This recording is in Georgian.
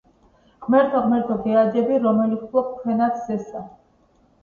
ღმერთო, ღმერთო, გეაჯები, რომელი ჰფლობ ქვენათ ზესა